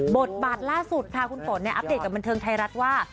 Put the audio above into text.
บทบาทล่าสุดค่ะคุณฝนอัปเดตกับบันเทิงไทยรัฐว่า